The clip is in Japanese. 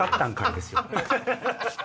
ですよ。